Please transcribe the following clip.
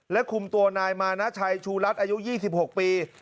และคุมตัวนายมานาชัยชูรัฐอายุ๒๖ปี